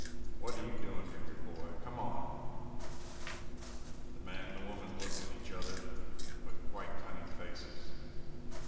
What are you doing for your boy; come now.' "The man and the woman looked at each other with quite cunning faces.